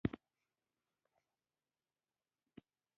په ترکي ژبه خبرې کوي.